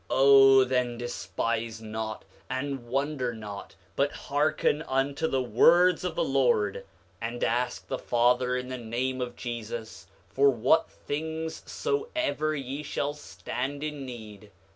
9:27 O then despise not, and wonder not, but hearken unto the words of the Lord, and ask the Father in the name of Jesus for what things soever ye shall stand in need.